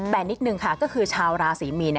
แต่นิดนึงค่ะก็คือชาวราศรีมีน